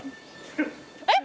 えっ？